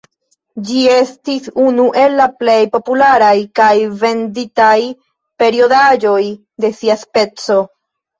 Ĝi estis unu el la plej popularaj kaj venditaj periodaĵoj de sia speco.